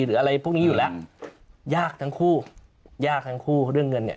หรืออะไรพวกนี้อยู่แล้วยากทั้งคู่ยากทั้งคู่เพราะเรื่องเงินเนี่ย